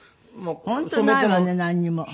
本当ないわねなんにも。